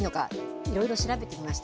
いろいろ調べてみました。